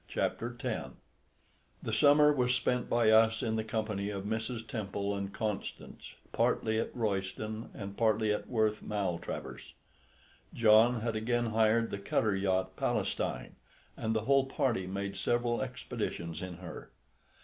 CHAPTER X The summer was spent by us in the company of Mrs. Temple and Constance, partly at Royston and partly at Worth Maltravers. John had again hired the cutter yacht Palestine, and the whole party made several expeditions in her.